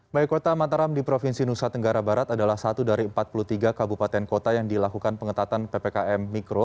baik kota mataram di provinsi nusa tenggara barat adalah satu dari empat puluh tiga kabupaten kota yang dilakukan pengetatan ppkm mikro